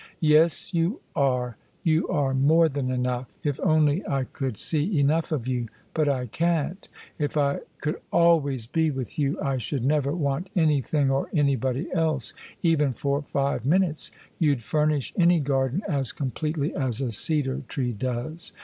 " Yes, you are : you are more than enough, if only I could see enough of you: but I can't. If I could always be with you I should never want anything or anybody else, even for five minutes: you'd furnish any garden as completely as a cedar tree does.